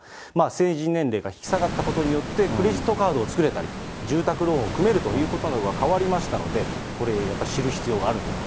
成人年齢が引き下がったことによって、クレジットカードを作れたり、住宅ローンを組めるということなどは変わりましたので、これやっぱり知る必要があるんだと。